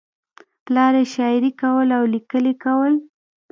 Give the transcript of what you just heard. پلار یې شاعري کوله او لیکل یې کول